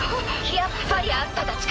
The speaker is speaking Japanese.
やっぱりあんたたちか。